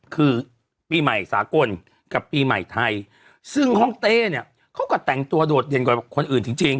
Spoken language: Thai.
คือปีใหม่สากลกับปีใหม่ไทยซึ่งห้องเต้เนี่ยเขาก็แต่งตัวโดดเด่นกว่าคนอื่นจริงจริง